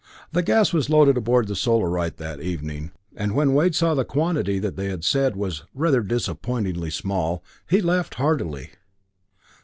The gas was loaded aboard the Solarite that evening, and when Wade saw the quantity that they had said was "rather disappointingly small" he laughed heartily.